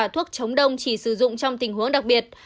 thuốc chống đông chỉ sử dụng trong tình huống đặc biệt